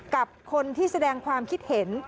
กับคนที่แสดงความคิดเห็น